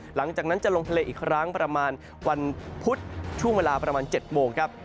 หลังจากนั้นจะลงทะเลอีกครั้งประมาณวันพุธช่วงเวลาประมาณ๗โมงครับ